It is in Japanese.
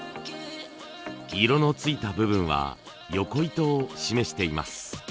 色のついた部分はヨコ糸を示しています。